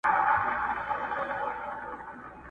له امیانو لاري ورکي له مُلا تللی کتاب دی.!